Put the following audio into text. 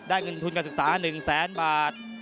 เงินทุนการศึกษา๑แสนบาท